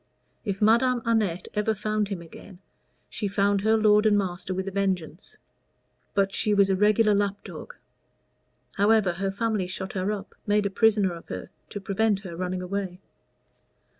If Madame Annette ever found him again, she found her lord and master with a vengeance; but she was a regular lapdog. However, her family shut her up made a prisoner of her to prevent her running away."